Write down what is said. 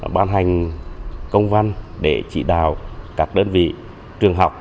ban hành công văn để chỉ đào các đơn vị trường học